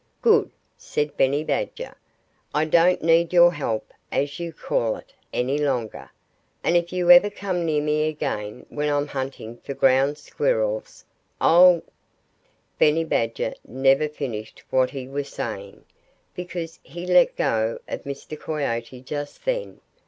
"Good!" said Benny Badger. "I don't need your 'help,' as you call it, any longer. And if you ever come near me again when I'm hunting for Ground Squirrels, I'll " Benny Badger never finished what he was saying, because he let go of Mr. Coyote just then.